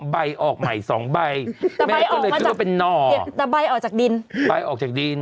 ใบออกใหม่สองใบแต่ใบออกมาจากเป็นหน่อแต่ใบออกจากดินใบออกจากดิน